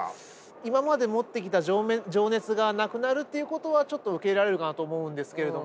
今まで持ってきた情熱がなくなるっていうことはちょっと受け入れられるかなと思うんですけれども。